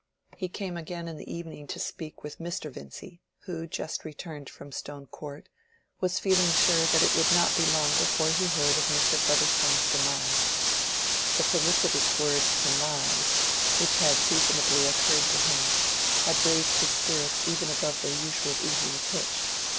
He came again in the evening to speak with Mr. Vincy, who, just returned from Stone Court, was feeling sure that it would not be long before he heard of Mr. Featherstone's demise. The felicitous word "demise," which had seasonably occurred to him, had raised his spirits even above their usual evening pitch.